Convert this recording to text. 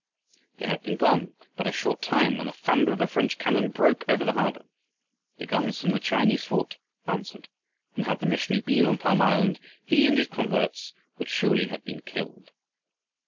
They had been gone but a short time when the thunder of the French cannon broke over the harbor. The guns from the Chinese fort answered, and had the missionary been on Palm Island he and his converts would surely have been killed.